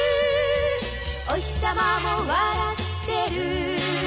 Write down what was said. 「おひさまも笑ってる」